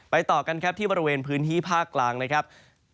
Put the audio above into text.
ต่อกันครับที่บริเวณพื้นที่ภาคกลางนะครับ